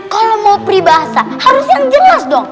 kalau mau pribahasa harus yang jelas dong